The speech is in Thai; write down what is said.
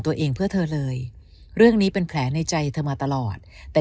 ตัวเองเพื่อเธอเลยเรื่องนี้เป็นแผลในใจเธอมาตลอดแต่